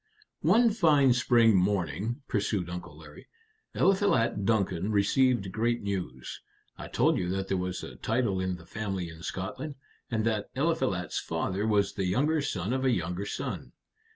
"One fine spring morning," pursued Uncle Larry, "Eliphalet Duncan received great news. I told you that there was a title in the family in Scotland, and that Eliphalet's father was the younger son of a younger son.